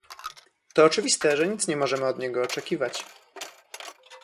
To oczywiste, że nic nie możemy od niego oczekiwać